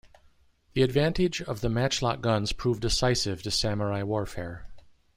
The advantage of the matchlock guns proved decisive to samurai warfare.